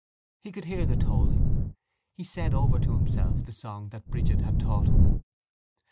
He could hear the tolling. He said over to himself the song that Brigid had taught him.